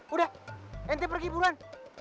udah ente pergi buruan